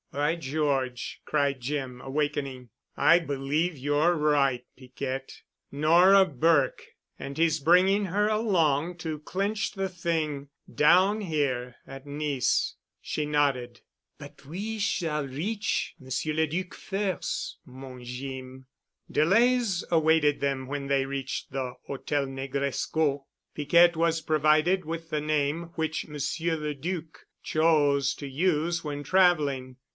"By George!" cried Jim, awakening. "I believe you're right, Piquette. Nora Burke! And he's bringing her along to clinch the thing—down here—at Nice." She nodded. "But we s'all reach Monsieur le Duc firs', mon Jeem——" Delays awaited them when they reached the Hôtel Negresco. Piquette was provided with the name which Monsieur the Duc chose to use when traveling.